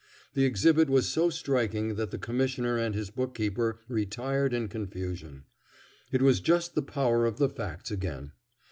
The exhibit was so striking that the Commissioner and his bookkeeper retired in confusion. It was just the power of the facts again.